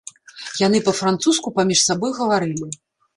Яны па-французску паміж сабой гаварылі.